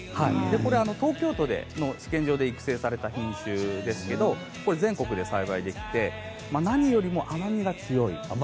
これは東京都の試験場で育成された品種ですけど全国で栽培できて何よりも甘みが強い。